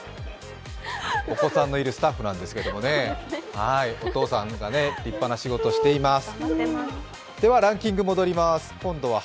お子さんのいるスタッフなんですけどもね、お父さんが立派な仕事をしています。